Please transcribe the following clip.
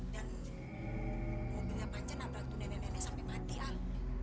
dan mau pindah panca nabrak tuh nenek nenek sampe mati al